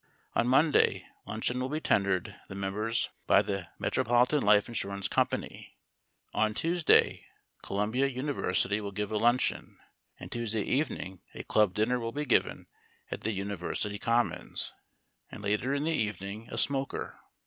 On Monday luncheon will be tendered the members by the Metropolitan Life Insurance Company; on Tuesday, Columbia University will give a luncheon, and Tuesday evening a club dinner will be given at the University Commons, and later in the evening a smoker.